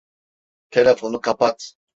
Telefonu kapat!